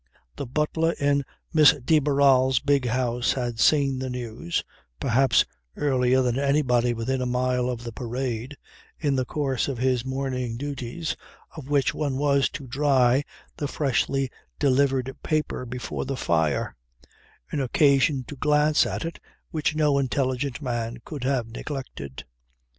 The butler in Miss de Barral's big house had seen the news, perhaps earlier than anybody within a mile of the Parade, in the course of his morning duties of which one was to dry the freshly delivered paper before the fire an occasion to glance at it which no intelligent man could have neglected.